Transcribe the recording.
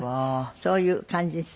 そういう感じですね。